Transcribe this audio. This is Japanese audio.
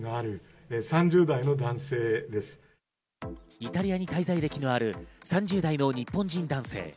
イタリアに滞在歴のある３０代の日本人男性。